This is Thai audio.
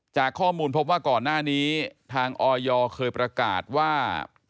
จากข้อมูลพบว่าก่อนหน้านี้ทางออยเคยประกาศว่า